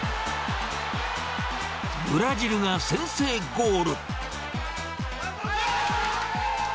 ブラジルが先制ゴール。